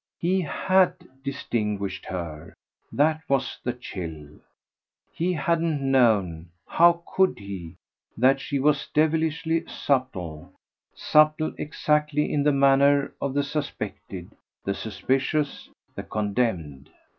He HAD distinguished her that was the chill. He hadn't known how could he? that she was devilishly subtle, subtle exactly in the manner of the suspected, the suspicious, the condemned.